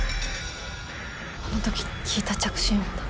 あの時聞いた着信音だ。